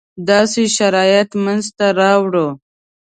داسې شرایط منځته راوړو.